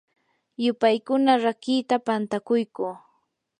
yupaykuna rakiita pantakuyquu.